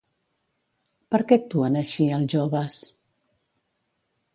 Per què actuen així, els joves?